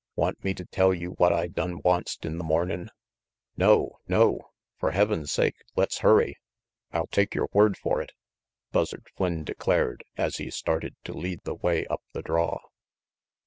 Want me to tell you what I done onct in the mornin'?" "No! No! For Heaven's sake, let's hurry! I'll take your word for it," Buzzard Flynn declared, as he started to lead the way up the draw.